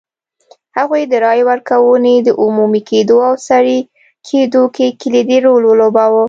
هغوی د رایې ورکونې د عمومي کېدو او سري کېدو کې کلیدي رول ولوباوه.